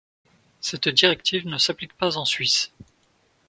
Cette directive ne s’applique pas en Suisse.